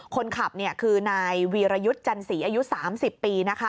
คนขับคือนายวีรยุทธ์จันสีอายุ๓๐ปี